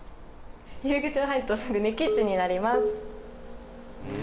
入り口を入るとすぐにキッチンになります。